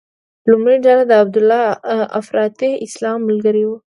لومړۍ ډله د عبیدالله افراطي اسلام ملګري وو.